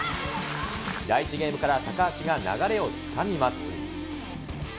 第１ゲームから高橋が流れをつかみます。